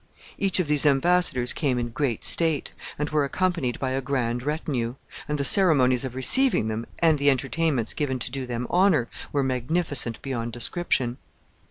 Each of these embassadors came in great state, and were accompanied by a grand retinue; and the ceremonies of receiving them, and the entertainments given to do them honor, were magnificent beyond description.